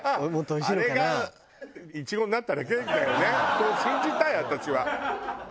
そう信じたい私は。